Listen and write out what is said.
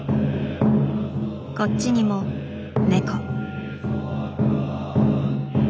こっちにもネコ。